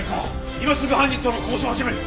今すぐ犯人との交渉を始める！